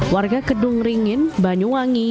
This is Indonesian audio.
warga kedung ringin banyuwangi